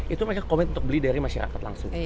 itu mereka komit untuk beli dari masyarakat langsung